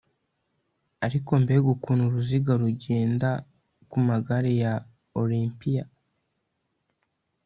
Ariko mbega ukuntu uruziga rugenda ku magare ya Olympia